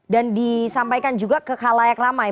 dan disampaikan juga ke halayak ramai